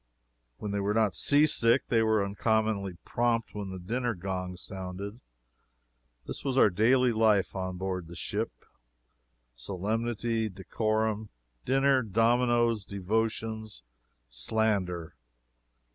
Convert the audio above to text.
When they were not seasick they were uncommonly prompt when the dinner gong sounded. Such was our daily life on board the ship solemnity, decorum, dinner, dominoes, devotions, slander.